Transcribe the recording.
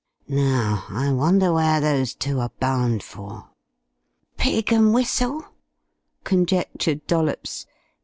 Now, I wonder where those two are bound for?" "'Pig and Whistle'," conjectured Dollops.